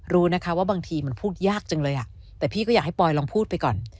รู้นะคะว่าบางทีมันพูดยากจังเลยอ่ะแต่พี่ก็อยากให้ปอยลองพูดไปก่อน